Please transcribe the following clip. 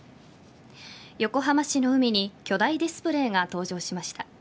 横浜市の海に巨大ディスプレーが登場しました。